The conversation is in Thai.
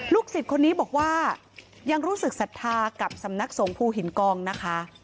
สิทธิ์คนนี้บอกว่ายังรู้สึกศรัทธากับสำนักสงภูหินกองนะคะ